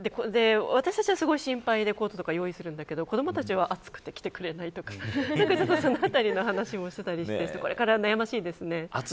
私たちはすごい心配で用意するんだけど、子どもたちは暑くて着てくれないとかそのあたりの話をしていたりしてこれから悩ましいです。